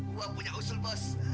gua punya usul bos